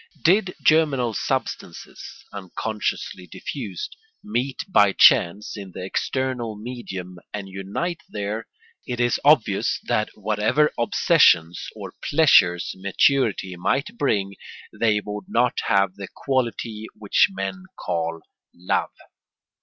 Did germinal substances, unconsciously diffused, meet by chance in the external medium and unite there, it is obvious that whatever obsessions or pleasures maturity might bring they would not have the quality which men call love.